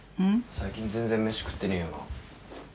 最近全然飯食ってねえよな。